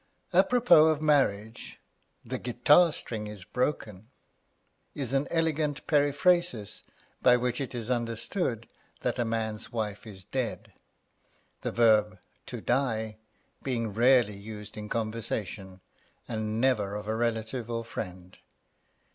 Apropos of marriage, the guitar string is broken, is an elegant periphrasis by which it is understood that a man's wife is dead, the verb "to die" being rarely used in conversation, and never of a relative or friend.